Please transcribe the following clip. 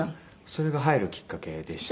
それが入るきっかけでしたね。